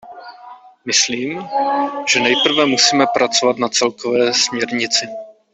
Myslím, že nejprve musíme pracovat na celkové směrnici.